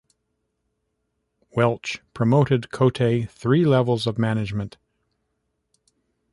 Welch promoted Cote three levels of management.